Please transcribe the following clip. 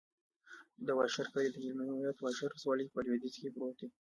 د واشر کلی د هلمند ولایت، واشر ولسوالي په لویدیځ کې پروت دی.